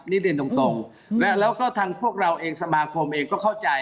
นี่เรียนตรงแล้วก็ทางพวกเราเองสมาคมเองก็เข้าใจ